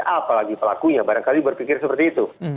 apalagi pelakunya barangkali berpikir seperti itu